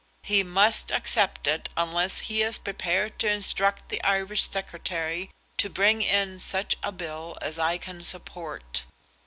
"He must accept it, unless he is prepared to instruct the Irish Secretary to bring in such a bill as I can support."